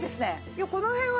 いやこの辺は。